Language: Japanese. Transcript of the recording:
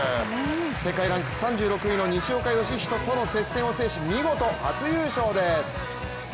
世界ランク３６位の西岡良仁との接戦を制し見事、初優勝です。